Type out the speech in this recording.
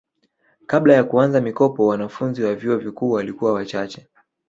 kabla ya kuanza mikopo wananfunzi wa vyuo vikuu walikuwa wachache